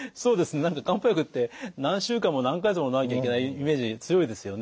何か漢方薬って何週間も何か月ものまなきゃいけないイメージ強いですよね。